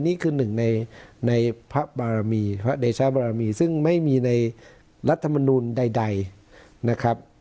นี่คือหนึ่งในพระบารมีพระเดชาบารมีซึ่งไม่มีในรัฐมนูลใดนะครับ